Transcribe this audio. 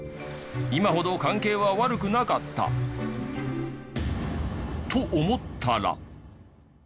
今ほど関係は悪くなかった。と思ったら。